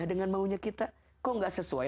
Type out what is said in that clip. dengan maunya kita kok gak sesuai